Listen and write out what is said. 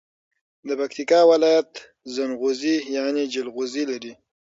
د پکیتکا ولایت زنغوزي یعنی جلغوزي لري.